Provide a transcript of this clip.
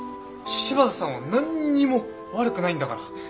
柴田さんは何にも悪くないんだから。